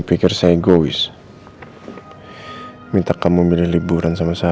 imbang mungut buah di bawah aja